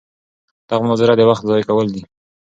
دغه مناظره د وخت ضایع کول دي.